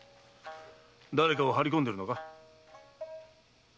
だれかを張り込んでるのか？